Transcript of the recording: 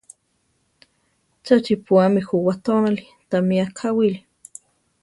¡Cha chiʼpúami ju watónali! Támi akáwili!